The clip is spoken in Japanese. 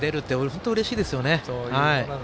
本当にうれしいですよね。